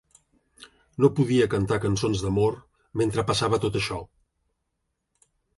No podia cantar cançons d’amor mentre passava tot això.